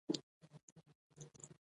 د نکلونو اوریدل په ژمي کې خوند کوي.